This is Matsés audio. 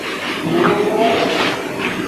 Pinu cuenec